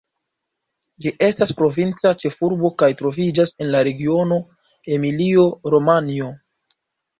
Ĝi estas provinca ĉefurbo kaj troviĝas en la regiono Emilio-Romanjo.